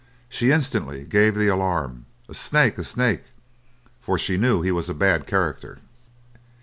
She instantly gave the alarm, "A snake, a snake!" for she knew he was a bad character.